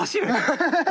ハハハハ！